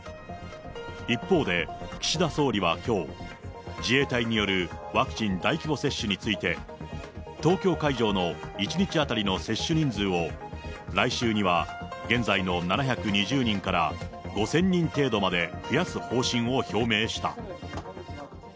一方で、岸田総理はきょう、自衛隊によるワクチン大規模接種について、東京会場の１日当たりの接種人数を来週には現在の７２０人から５０００人程度まで増やす方針を表明した。